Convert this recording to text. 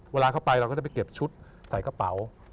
เวลาเข้าไปเราก็จะไปเก็บชุดใส่กระเป๋า